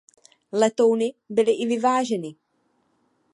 Letouny byly i vyváženy.